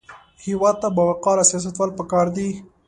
هېواد ته باوقاره سیاستوال پکار دي